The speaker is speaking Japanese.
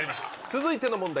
続いての問題